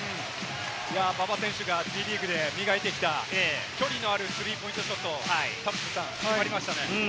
馬場選手がＢリーグで磨いてきた距離のあるスリーポイントショット、決まりましたね。